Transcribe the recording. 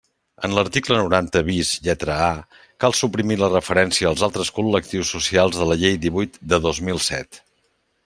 En l'article noranta bis, lletra a, cal suprimir la referència als altres col·lectius socials de la Llei divuit de dos mil set.